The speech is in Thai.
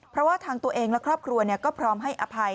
เพราะว่าทางตัวเองและครอบครัวก็พร้อมให้อภัย